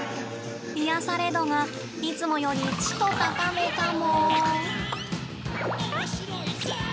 癒やされ度がいつもより、ちと高めかも！